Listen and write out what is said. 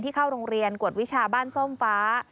เข้าโรงเรียนกวดวิชาบ้านส้มฟ้า